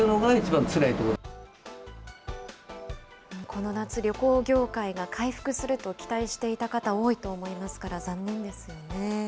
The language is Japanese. この夏、旅行業界が回復すると期待していた方、多いと思いますから、残念ですよね。